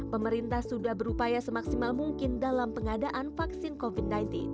pemerintah sudah berupaya semaksimal mungkin dalam pengadaan vaksin covid sembilan belas